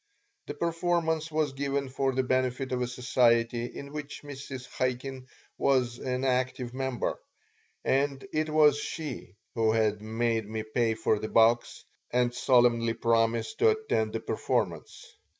The performance was given for the benefit of a society in which Mrs. Chaikin was an active member, and it was she who had made me pay for the box and solemnly promise to attend the performance.